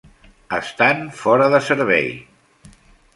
"Estan" fora de servei!